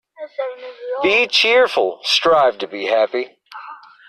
Be cheerful. Strive to be happy.